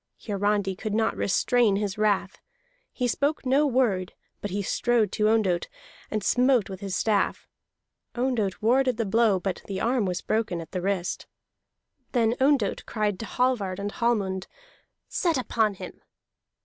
Hiarandi could not restrain his wrath. He spoke no word; but he strode to Ondott, and smote with his staff. Ondott warded the blow, but the arm was broken at the wrist. Then Ondott cried to Hallvard and Hallmund: "Set upon him!"